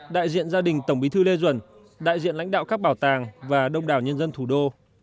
đại diện gia đình tổng bí thư lê duẩn đại diện lãnh đạo các bảo tàng và đông đảo nhân dân thủ đô